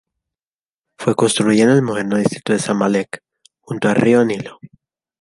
Fue construida en el moderno distrito de Zamalek, junto al río Nilo.